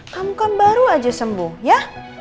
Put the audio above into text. kamu kan baru aja sembuh ya